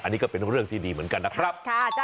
อันนี้ก็เป็นเรื่องที่ดีเหมือนกันนะครับ